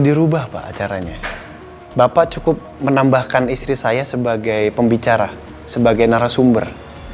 dirubah pak acaranya bapak cukup menambahkan istri saya sebagai pembicara sebagai narasumber